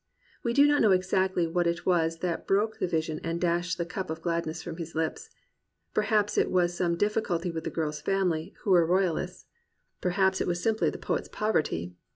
We do not know exactly what it was that broke the vision and dashed the cup of gladness from his lips. Perhaps it was some dif ficulty with the girl's family, who were royalists. 196 THE RECOVERY OF JOY Perhaps it was simply the poet's poverty.